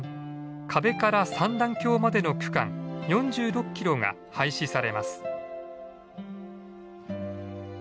可部から三段峡までの区間４６キロが廃止されます。